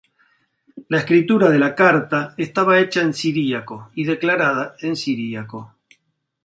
a escritura de la carta estaba hecha en siriaco, y declarada en siriaco.